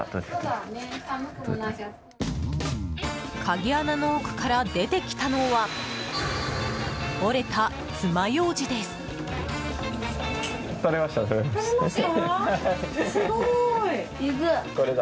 鍵穴の奥から出てきたのは折れたつまようじです。